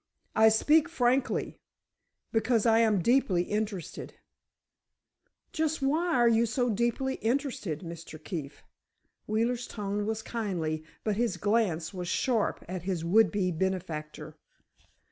I speak frankly—because I am deeply interested——" "Just why are you so deeply interested, Mr. Keefe?" Wheeler's tone was kindly but his glance was sharp at his would be benefactor.